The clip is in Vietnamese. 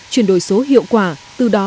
chuyển đổi số hiệu quả từ đó